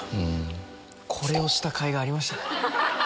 これをしたかいがありましたね。